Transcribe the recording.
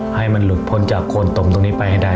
ให้มันหลุดพ้นจากโคนตมตรงนี้ไปให้ได้